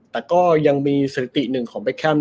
แต่ก็ยังมีสถิติหนึ่งของเบคแคมป